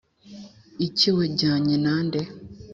Iki wajyanye na nde